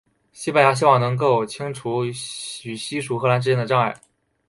西班牙希望能清除与西属荷兰之间的障碍。